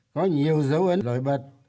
có nhiều dấu ấn lối bật